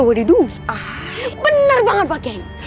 bener banget pak kiai